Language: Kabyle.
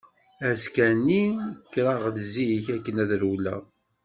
Azekka-nni kkreɣ-d zik akken ad rewleɣ.